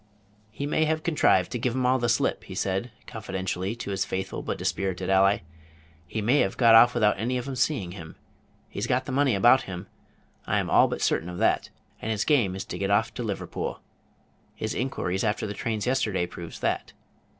"He may have contrived to give 'em all the slip," he said, confidentially, to his faithful but dispirited ally. "He may have got off without any of 'em seeing him. He's got the money about him, I am all but certain of that, and his game is to get off to Liverpool. His inquiries after the trains yesterday proves that.